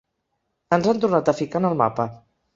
Ens han tornat a ficar en el mapa.